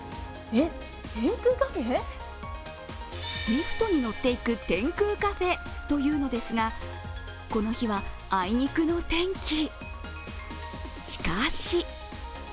リフトに乗って行く天空カフェというのですがこの日はあいにくの天気。